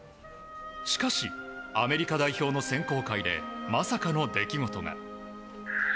しかし、アメリカ代表の選考会でまさかの出来事が。